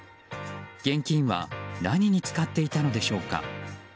現金は何に使っていたのでしょうか。